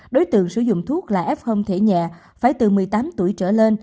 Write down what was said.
đối tượng sử dụng thuốc là f thể nhẹ phải từ một mươi tám tuổi trở lên